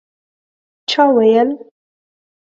چا ویل